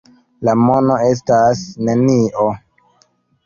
La mono estas nenio!